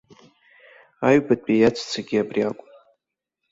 Аҩбатәи иаҵәцагьы ари акәын.